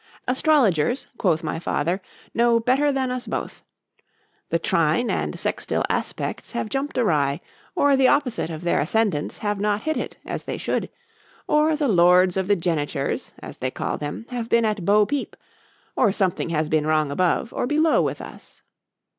_—Astrologers, quoth my father, know better than us both:—the trine and sextil aspects have jumped awry,—or the opposite of their ascendents have not hit it, as they should,—or the lords of the genitures (as they call them) have been at bo peep,—or something has been wrong above, or below with us.